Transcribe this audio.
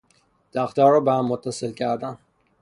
تخته ها را بهم متصل کردن